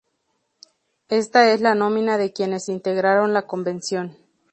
Esta es la nómina de quienes integraron la convención.